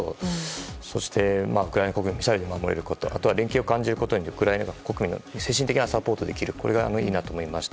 そしてウクライナ国民が更に頑張れること連携を感じられることでウクライナ国民の精神的なサポートができるこれがいいなと思いました。